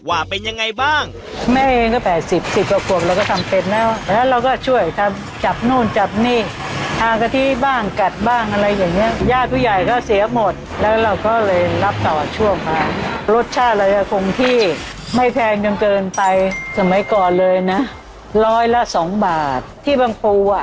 ว่าเป็นอย่างไรบ้าง